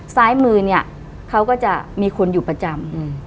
ซ้ายมือเนี่ยเขาก็จะมีคนอยู่ประจำ